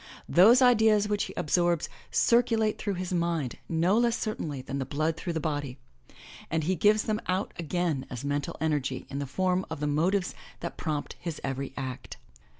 Those ideas which he absorbs circulate through his mind no less certainly than blood through his body, and he gives them out again as mental energy in the form of the motives that prompt his every act.